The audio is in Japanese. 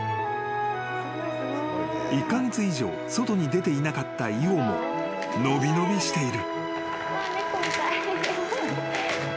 ［１カ月以上外に出ていなかったイオも伸び伸びしている］